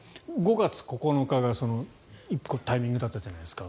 ５月９日が１個タイミングだったじゃないですか。